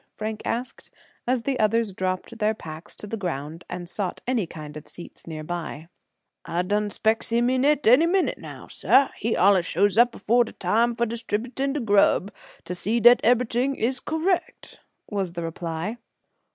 Frank asked, as the others dropped their packs to the ground, and sought any kind of seats nearby. "I done 'spects him in et enny minnit, now, sah; he allers shows up afore de time foh distributin' de grub, tuh see dat eberything is correct," was the reply.